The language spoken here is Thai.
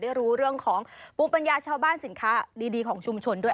ได้รู้เรื่องของภูมิปัญญาชาวบ้านสินค้าดีของชุมชนด้วย